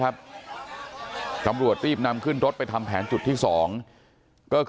ฆ่ะก็เกือบที่ฐูกรุงประชาธัณฑ์นะครับ